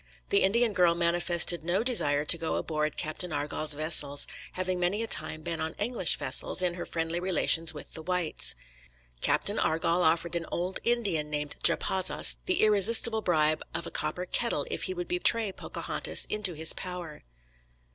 The Indian girl manifested no desire to go aboard Captain Argall's vessels, having many a time been on English vessels, in her friendly relations with the whites. Captain Argall offered an old Indian named Japazaws the irresistible bribe of a copper kettle if he would betray Pocahontas into his power.